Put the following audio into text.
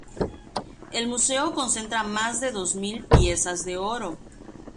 El museo concentra más de dos mil piezas de oro.